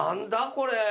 これ！